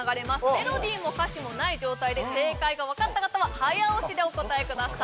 メロディーも歌詞もない状態で正解がわかった方は早押しでお答えください